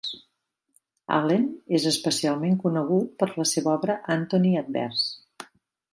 Allen és especialment conegut per la seva obra "Anthony Adverse".